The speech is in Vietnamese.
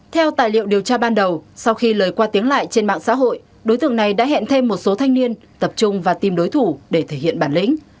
theo tài liệu điều tra ban đầu sau khi lời qua tiếng lại trên mạng xã hội đối tượng này đã hẹn thêm một số thanh niên tập trung và tìm đối thủ để thể hiện bản lĩnh